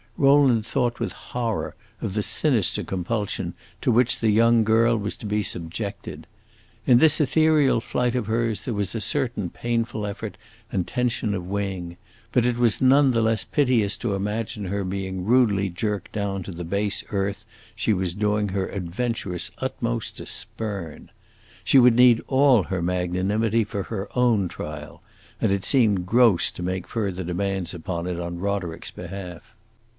Rowland thought with horror of the sinister compulsion to which the young girl was to be subjected. In this ethereal flight of hers there was a certain painful effort and tension of wing; but it was none the less piteous to imagine her being rudely jerked down to the base earth she was doing her adventurous utmost to spurn. She would need all her magnanimity for her own trial, and it seemed gross to make further demands upon it on Roderick's behalf.